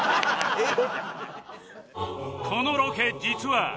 「えっ！」